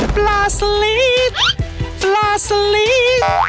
ปลาสลิดปลาสลิด